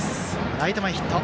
ライト前ヒット。